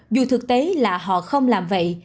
dù thực tế là họ không làm vậy